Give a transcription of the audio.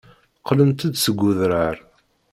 Qqlent-d seg udrar.